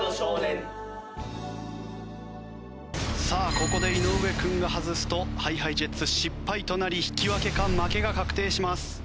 さあここで井上君が外すとＨｉＨｉＪｅｔｓ失敗となり引き分けか負けが確定します。